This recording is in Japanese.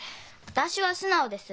私は素直です。